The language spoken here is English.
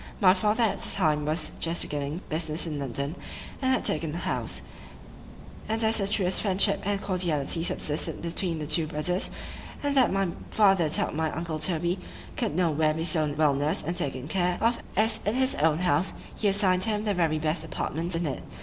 My father at that time was just beginning business in London, and had taken a house;—and as the truest friendship and cordiality subsisted between the two brothers,—and that my father thought my uncle Toby could no where be so well nursed and taken care of as in his own house,——he assign'd him the very best apartment in it.